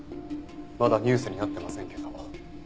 まだニュースになってませんけど。